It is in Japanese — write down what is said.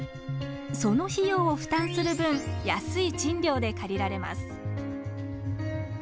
その費用を負担する分安い賃料で借りられます。